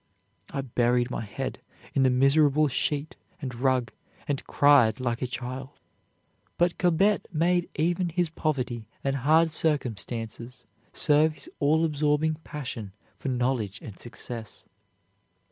I buried my head in the miserable sheet and rug, and cried like a child." But Cobbett made even his poverty and hard circumstances serve his all absorbing passion for knowledge and success.